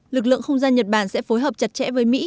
lực lượng không gian nhật bản sẽ phối hợp chặt chẽ với mỹ